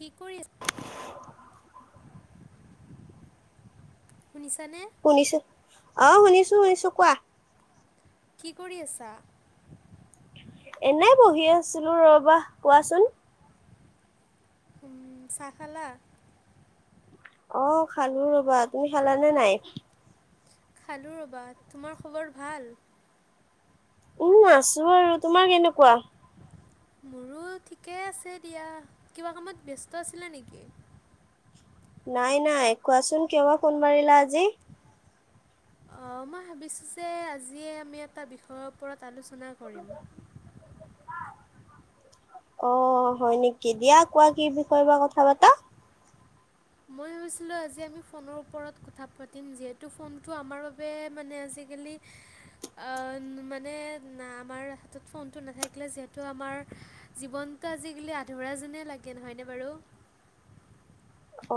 কি কৰি আছাঁ। শুনিছো অ শুনিছো শুনিছো কোৱা কি কৰি আছা। এনেই বহি আছিলো ৰবা কোৱাচোন। উম চাহ খালা। অহঁ খালো ৰবা তুমি খালানে নাই। খালো ৰবা তোমাৰ খবৰ ভাল। উম আছো আৰু তোমাৰ কেনেকুৱা। মোৰো ঠিকেই আছে দিয়া কিবা কামত ব্যস্ত আছিলা নেকি- নাই নাই কোৱাচোন কিয় বা ফোন মাৰিলা আজি। অ মই ভাবিছো যে আজিয়ে আমি এটা বিষয়ৰ ওপৰত আলোচনা না কৰিম অ হয় নেকি দিয়া কোৱা কি বিষয়ে বা কথা পতা মই ভাবিছিলো আজি আমি ফোনৰ উপৰত কথা পাতিম। যিহেতু ফোনটো আমাৰ বাবে মানে আজি কালি অ, মানে না আমাৰ হাতত ফোনটো নাথাকিলে যিহেতু আমাৰ জীৱন টো আজিকালি আধৰুৱা জেনেই লাগে। নহয়নে বাৰু?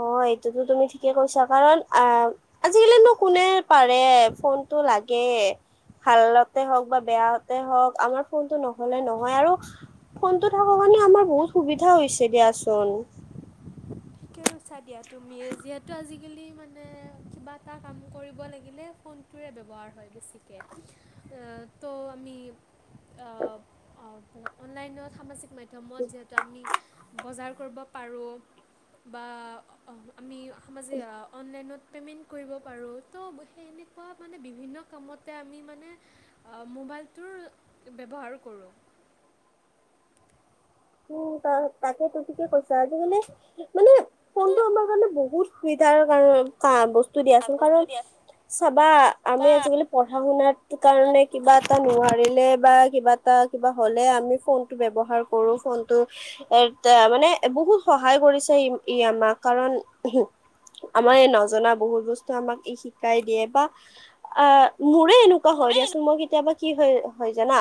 অ এইটোতো তুমি ঠিকে কৈছা কাৰণ অ আজিকালি নো কোনে পাৰে ফোনটো লাগে। ভালতে হওক বা বেয়াতে হওক আমাৰ ফোনটো নহলে নহয়। আৰু ফোনটো থকা কাৰণে আমাৰ বহুত সুবিধা হৈছে দিয়াচোন। ছা দিয়া তুমি যিহেতু আজিকালি মানে কিবা এটা কাম কৰিব লাগিলে ফোনটোয়ে ব্যৱহাৰ হয় বেছিকে। ত' আমি অনলাইনত সামাজিক মাধ্যমত যিহেতু আমি বজাৰ কৰিব পাৰোঁ বা আমি সমাজি অনলাইনত পে'মেণ্ট কৰিব পাৰোঁ। ত' সেই এনেকুৱা মানে বিভিন্ন কামতে আমি মানে অ মো মোবাইলটোৰ ব্যৱহাৰ কৰোঁ। উম ত তাকে তো ঠিকে কৈছা। আজিকালি মানে মানে ফোনটো আমাৰ কাৰণে বহুত সুবিধাৰ কাৰণ বস্তু দিয়াচোন। বস্তু কাৰণ দিয়া চাবা আমি বা আজিকালি পঢ়া শুনাত কাৰণে কিবা এটা নোৱাৰিলে বা কিবা এটা কিবা হ'লে আমি ফোন টো ব্যৱহাৰ কৰো। ফোনটো এ এ মানে বহুত সহায় কৰিছে ই ই আমাক। কাৰণ আমাৰ এই নজনা বহুত বস্তু আমাক ই শিকাই দিয়ে বা আ মোৰে এনেকুৱা হয় মোৰে দিয়াচোন মই কেতিয়াবা কি হৈ হৈ জানা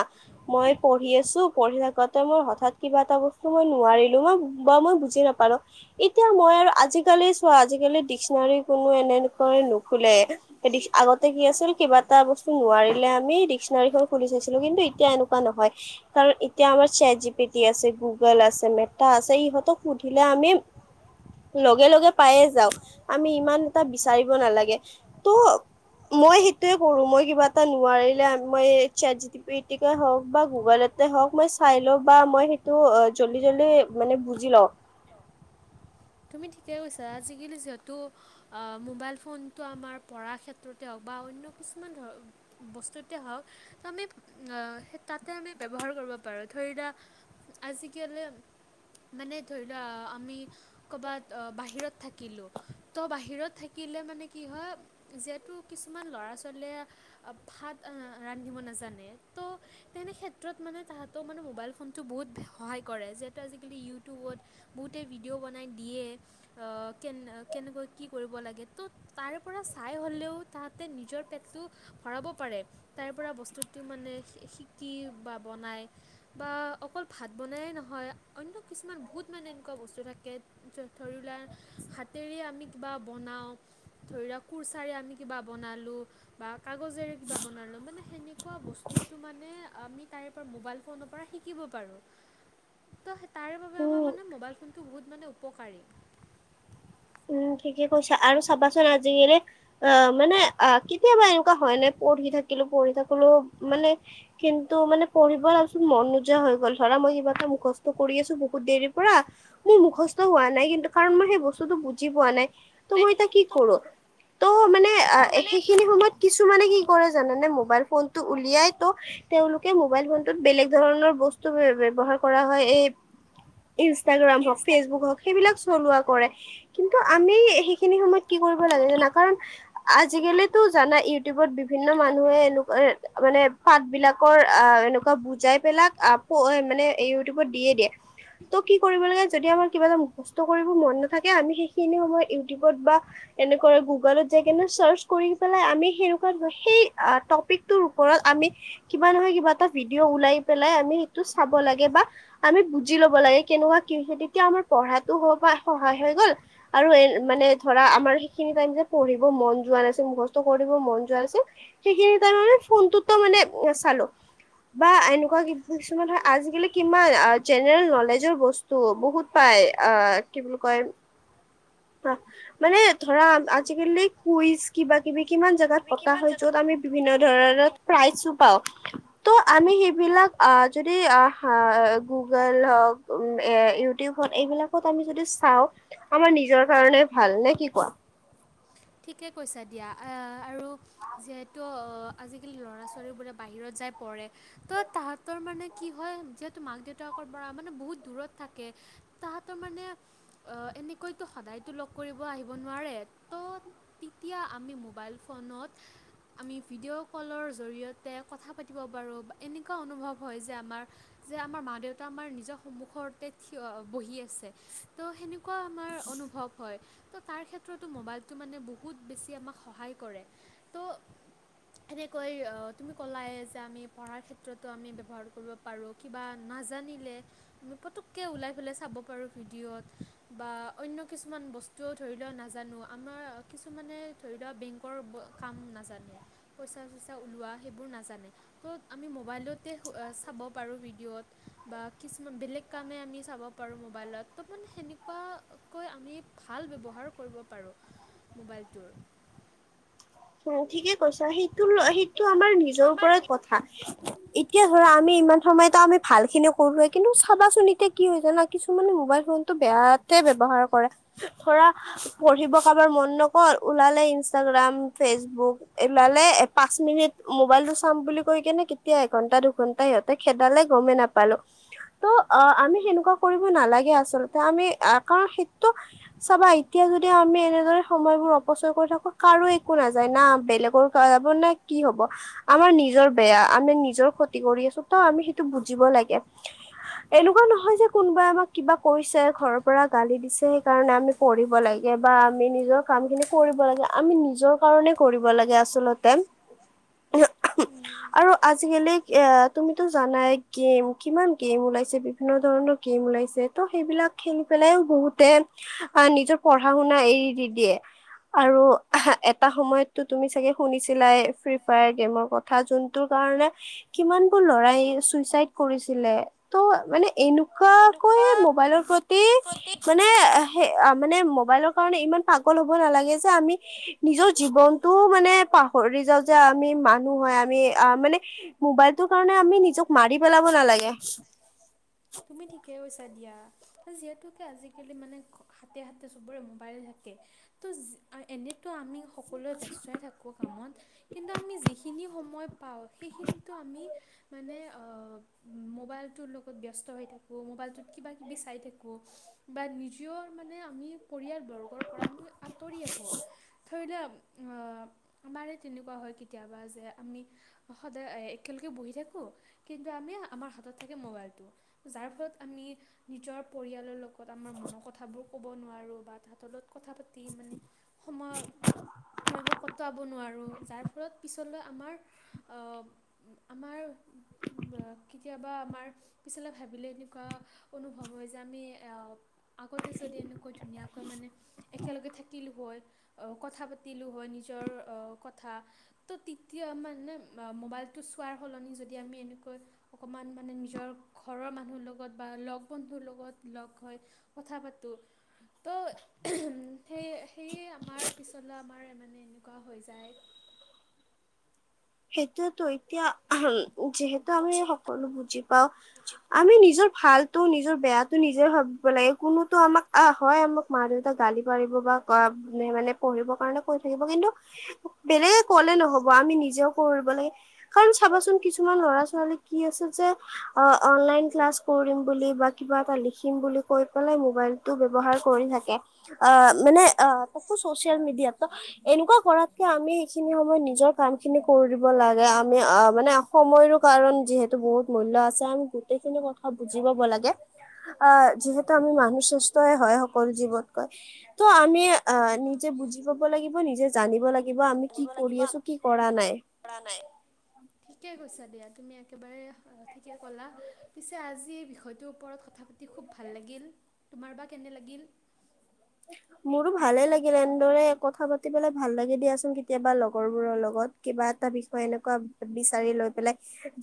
মই পঢ়ি আছো পঢ়ি থাকোতে মই হঠাৎ কিবা এটা বস্তু মই নোৱাৰিলো মই বা মই বুজি নাপালো, এতিয়া মই আৰু আজিকালি চোৱা আজি কালি দিচ্কনাৰী কোনো এনেকৈ নুখোলে। আগতে কি আছিল কিবা এটা বস্তু নোৱা ৱাৰিলে আমি দিচ্কনাৰীখন খুলি চাইছিলো। কিন্তু এতিয়া এনেকুৱা নহয়। কাৰণ এতিয়া আমাৰ ছেট জী পি টি আছে, গুগ'ল আছে, মেটা আছে ইহঁতক সুধিলে আমি লগে লগে পায়ে যাও। আমি ইমান এটা বিচাৰিব নালাগে। ত' মই সেইটোৱে কৰো। মই কিবা এটা নোৱাৰিলে মই ছেট জী পি টি হওঁক বা গগুলতে হওক মই চাই লও বা মই সেইটো অ জল্দি জল্দি মানে বুজি লওঁ। আমি ঠিকেই কৈছা আজিকালি যিহেতু মোবাইল ফোনটো আমাৰ পঢ়াৰ ক্ষেত্ৰতে হওক বা অন্য ন্য কিছুমান ধৰ বস্তুতে হওক ত' আমি সেই তাতে আমি ব্যৱহাৰ কৰিব পাৰোঁ। ধৰি লোৱা আজিকালি মানে ধৰি লোৱা আমি কবাত অ বাহিৰত থাকিলো ত বাহিৰত থাকিলে মানে কি হয় যিহেতু কিছু কিছুমান ল'ৰা ছোৱালীয়ে ভাত ৰান্ধিব নাজানে ত' তেনেক্ষেত্ৰত মানে তাহাঁতেও মানে মোবাইল ফোনটো বহুত সহায় কৰে। যিহেতু আজিকালি ইউটিউবত, বহুতেই ভিডিঅ' বনাই দিয়ে কেনে কেনেকৈ কি কৰিব লাগে। ত' তাৰে পৰা চাই হ'লেও তাত। নিজৰ পেটটো ভৰাব পাৰে। তাৰ পৰা বস্তুটো মানে শিকি বা বনাই। বা অকল ভাত বনাইয়ে নহয় অন্য কিছুমান বহুত মানে এনেকুৱা বস্তু থাকে। ধৰিলোৱা হাতেৰে আমি কিবা বনাও। ধৰিলোৱা কুৰ্চাৰে আমি কিবা বনালোঁ বা কাগজেৰে কিবা বনালোঁ, মানে সেনেকুৱা বস্তুটো মানে আমি তাৰে পৰা মোবাইল ফোনৰ পৰা শিকিব পাৰো। তাৰ বাবে আমাৰ উম মানে মোবাইল ফোনটো বহুত মানে উপকাৰী। উম ঠিকে কৈছা আৰু চাবাচোন আজিকালি অ মানে অ কেতিয়াবা এনেকুৱা হয় নে পঢ়ি থাকিলো পঢ়ি থাকিলো মানে কিন্তু মানে পঢ়িব পিছত মন নোযোৱা হৈ গ'ল। ধৰা মই কিবা এটা মুখস্থ কৰি আছো বহুত দেৰিৰ পৰা। মোৰ মুখস্থ হোৱা নাই কিন্তু কাৰণ মই সেই বস্তুটো বুজ বুজি পোৱা নাই ত' মই এতিয়া কি কৰো? ত' [inaudible] মানে মানে সেইখিনি সময়ত কিছুমানে কি কৰে জানা নে মোবাইল ফোনটো উলিয়াই ত তেওঁলোক মোবাইল ফোনটোত বেলেগ ধৰণৰ বস্তু ব্যৱহাৰ কৰা হয়। এই [unintelligible] ইনষ্টাগ্ৰাম হওঁক ইনষ্টাগ্ৰামত ফেচবুক হওঁক সেইবিলাক চলোৱা কৰে। কিন্তু আমি সেইখিনি সময়ত কি কৰিব লাগে জানা কাৰণ আজিকালিতো জানা ইউটিউবত বিভিন্ন ইউটিউবত মানুহে বিভিন্ন এনেকুৱা মানে পাত বিলাকৰ আহ এনেকুৱা বুজাই পেলাক মানে ইউটিউবত দিয়ে দিয়ে। ত কি কৰিব লাগে যদি আমাৰ কিবা এটা মুখস্থ কৰিব মন নাথাকে। আমি স সময়ত ইউটিউবত বা এনেক গুগলত যাই কিনে চাৰ্চ কৰি পেলাই আমি সেনে সেই টপিক টোৰ ওপৰত আমি কিবা নহয় কিবা এটা ভিডিঅ ওলাই পেলাই আমি হেইটো চাব লাগে। বা আমি বুজি লব লাগে কেনেকুৱা কি তেতিয়া আমাৰ পঢ়াতো সহায় হৈ গ'ল। আৰু এ মানে ধৰা আমাৰ সেইখিনি টাইম যে পঢ়িব মন যোৱা নাছিল মুখস্থ কৰিব মন যোৱা নাছিল। সেইখিনি তাৰ মানে ফোনটোতো মানে চালো। বা এনেকুৱা কিছুমান হয় আজিকালি কিমান জেনেৰেল নলেজৰ বস্তু বহুত পায়। আহ কি বুলি কয়। অ মানে ধৰা আজিকালি কুইজ, কিবা কিবি কিমান জেগাত পতা কিমান হয় জেগাত যত আমি বিভিন্ন ধৰণৰ বিভিন্ন প্ৰাইজো পাওঁ। ত' আমি সেইবিলাক যদি গুগল হওক এ ইউটিউব। এইবিলাকত আমি যদি চাওঁ আমাৰ নিজৰ কাৰণে ভাল নে কি কোৱা। ঠিকে কৈছা দিয়া আহ আৰু যিহেতু অ আজিকালি ল'ৰা ছোৱালী বোৰে বাহিৰত যায়। যাই পৰে তো তাহাঁতৰ মানে কি হয় যিহেতু মাক দেউতাকৰ পৰা মানে বহুত দূৰত থাকে। তাহাতৰ তো মানে অ এনেকৈতো সদায়তো লগ কৰিব আহিব নোৱাৰে। ত তেতিয়া আমি মোবাইল ফোনত। আমি ভিডিঅ' কলৰ জৰিয়তে কথা পাতিব পাৰোঁ বা এনেকুৱা অনুভৱ হয় যে আমাৰ যে আমাৰ মা দেউতা আমাৰ নিজৰ সন্মুখতে থিয় বহি আছে। ত হেনেকুৱা আমাৰ অনুভৱ হয়। ত তাৰ ক্ষেত্ৰতো মোবাইলটো বহুত বেছি আমাক সহায় কৰে। ত এনেকৈ তুমি ক'লাই যে আমি পঢ়াৰ ক্ষেত্ৰতো আমি ব্যৱহাৰ কৰিব পাৰো। কিবা ন নাজানিলে পতককে ওলাই পেলে চাব পাৰো ভিডিঅত বা অন্য কিছুমান বস্তুও ধৰি লও নাজানো। আমাৰ কিছুমানে ধৰি লোৱা বেংকৰ কাম নাজানে পইচা চইচা ওলোৱা সেইবোৰ। নাজানে ত আমি মোবাইলত এ চাব পাৰো ভিডিঅত বা কিছুমান বেলেগ কাম মান আমি চাব পাৰোঁ মোবাইলত ত' মানে সেনেকুৱাকৈ আমি ভাল ব্যৱহাৰ কৰিব পাৰোঁ। মোবাইলটোৰ। উ ঠিকে কৈছা সিটো ল সি। টো আমাৰ এইটো নিজৰ আমাৰ ওপৰত কথা এতিয়া ধৰা আমি ইমান সময়তো আমি ভাল খিনি কৰোৱ। কিন্তু চাবাচোন এতিয়া কি হয় জানা কিছুমানে মোবাইল ফোন টো বেয়াতে ব্যৱহাৰ কৰে ধৰা পঢ়িব কাৰোবাৰ মন নকৰ ওলালে ইনষ্টাগ্ৰাম ফেচবুক লালে এ পাঁচ মিনিট মোবাইল টো চাম বুলি কৈ কেনে কেতিয়া এঘন্টা দুঘন্টাই সিহঁতে খেদালে গমেই নাপালো। ত অ আমি সেনেকুৱা কৰিব নালাগে আচলতে আমি কাৰণ সেইটো চাবা এতিয়া যদি আমি এনেদৰে সময়বোৰ অপচয় কৰি থাকো কাৰো একো নাযায় না বেলেগৰ যাব না কি হব, আমাৰ নিজৰ বেয়া আমি নিজৰ ক্ষতি কৰি। ত আমি সেইটো বুজিব লাগে। এনেকুৱা নহয় যে কোনোবাই আমাক কিবা কৈছে ঘৰৰ পৰা গালি দিছে সেই কাৰণে আমি পঢ় লাগিব। বা আমি নিজৰ কাম খিনি কৰিব লাগে আমি নিজৰ কাৰণে কৰিব লাগে আচলতে, আৰু আজিকালি এ তুমিতো জানাই গেম কিমান গেম ওলাইছে বিভিন্ন ধৰণৰ গেম ওলাইছে ত' সেইবিলাক খেলি পেলাইও বহুতে, নিজৰ পঢ়া শুনা এৰি দি দিয়ে। আৰু এটা সময়তো তুমি চাগে শুনিছিলা ফ্ৰী ফায়াৰ গেমৰ কথা, যোনটো কাৰণে কিমান লৰাই চুইচাইড কৰিছিলে ত মানে এনো এনেকাকৈ এনেকুৱা মোবাইলৰ প্ৰতি প্ৰতি মানে হে মানে মোবাইলৰ কাৰণে ইমান পাগল হ'ব নালাগে যে আমি নিজৰ জীৱনটোও মানে পাহৰি যাওঁ যে আমি মানুহ হয় আমি আ মানে মোবাইলটো সেইটো কাৰণে আমি নিজক মাৰি পেলাব নালাগে। [unintelligible] তুমি ঠিকে কৈছা দিয়া, যিহেতুকে আজিকালি মানে হাতে হাতে চবৰে মোবাইল থাক কে ত এনেতো আমি স সকলোৱে ব্যস্তই থাকো কামত, কিন্তু আমি যিখিনি সময় পাওঁ সেইখিনিতো আমি মানে অ মোবাইলটোৰ লগত ব স্ত হৈ থাকোঁ, মোবাইলটোত কিবা কিবি চাই থাকোঁ, বা ভিডিঅত মানে আমি পৰিয়াল বৰ্গৰ পৰা আমি আঁতৰি আহো, ধৰি লও আহ আমাৰ তেনেকুৱা হয় কেতিয়াবা যে, আমি সদায় একেলগে বহি থাকো কিন্তু আমি আমাৰ হাতত থাকে মোবাইলটো, যাৰ ফলত আমি নিজৰ পৰিয়ালৰ লগত আমাৰ মনৰ কথাবোৰ কব নোৱাৰো বা তাহাতৰ লগত কথা পাতি মানে সময় সময়বোৰ ক - টাব নোৱাৰোঁ, তাৰ ফলত পিছলৈ আমাৰ আ আমাৰ আ কেতিয়াবা আমাৰ পিছলৈ ভাবিলে এনেকুৱা অনুভৱ হয় যে, আমি আগতে যদি এনেকৈ ধুনীয়াকৈ মানে একেলগে থাকিলো হয়, আহ কথা পাতিলো হয়, নিজৰ অ কথা ত তৃতীয় মানে মোবাইলটো চোৱাৰ সলনি যদি আমি এনেকৈ, অকণমান মানে নিজৰ ঘৰৰ মানুহৰ লগত বা লগ বন্ধুৰ লগত লগ হৈ কথা পাতো ত' উম সেই সেইয়ে আমাৰ পিছলৈ আমাৰ মানে এনেকুৱা হৈ যায় [unintelligible] সেইটোৱেতো এতিয়া আহম যিহেতু আমি যিহেতু সকলো বুজি পাওঁ, বুজি আমি নিজৰ ভালতো নিজৰ বেয়াটো নিজে ভাবিব লাগে, কোনোতো আমাক আহ হয় আমাক মা- দেউতাক গালি পাৰিব বা ক মানে পঢ়িবৰ কাৰণে কৈ থাকিব কিন্তু, বেলেগে কলে নহব আমি নিজেও কৰিব লাগে, কাৰণ চাবাচোন কিছুমান ল'ৰা- ছোৱালী কি আছে ছে, অ অনলাইন ক্লাছ কৰিম বুলি বা কিবা এটা লিখিম বুলি কৈ পেলাই মোবাইলটো ব্য ৱহাৰ কৰি থাকে, আ মানে আ তাকো চচিয়েল মিডিয়া ত এনেকুৱা কৰাতকে আমি সেইখিনি সময়ত নিজৰ কাম খিনি কৰি দিব লাগে আমি অ মানে সময়ো কাৰণ যিহেতু বহুত মূল্য আছে আমি গোটেইখিনি কথা বুজিব পাব লাগে। আহ যিহেতু আমি মানুহ শ্ৰেষ্ঠই হয় সকলো জীৱতকৈ, ত আমি আহ নিজে বুজি পাব লাগিব, নিজে জানিব লাগিব, আমি কি কৰি আছো কি কৰা নাই? কৰা নাই? ঠিকে কৈছা, দিয়া তুমি একেবাৰে ঠিকে কলা পিছে আজি এই বিষয়টোৰ ওপৰত কথা পাতি খুব ভাল লাগিল, তোমাৰ বা কেনে লাগিল? মোৰো ভালে লাগিল। এনেদৰে কথা পাতি পেলাই ভাল লাগি দিয়াচোন, কেতিয়াবা লগৰবোৰৰ লগত কিবা এটা বিষয় এনেকুৱা বিচাৰি লৈ পেলাই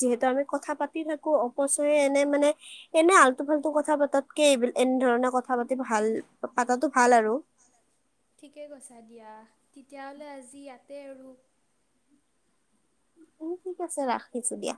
যিহেতু আমি কথা পাতি থাকো অপচয় এনে মানে এনে আলটু ফাল্টু কথা পাতাতকে এইব এনেধৰণে কথা পাতি ভাল পাতাটো ভাল আৰু। ঠিকে কৈছা দিয়া, তেতিয়াহলে আজি ইয়াতে আৰু উম ঠিক আছে ৰাখিছো দিয়া।